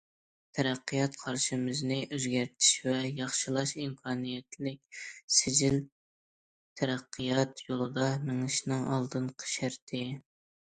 تەرەققىيات قارىشىمىزنى ئۆزگەرتىش ۋە ياخشىلاش ئىمكانىيەتلىك سىجىل تەرەققىيات يولىدا مېڭىشنىڭ ئالدىنقى شەرتى.